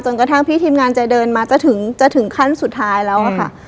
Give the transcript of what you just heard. กระทั่งพี่ทีมงานจะเดินมาจะถึงขั้นสุดท้ายแล้วค่ะ